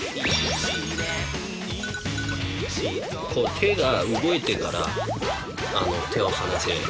手が動いてから手を離せれば。